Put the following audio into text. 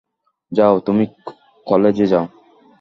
যাও, তুমি কালেজে যাও।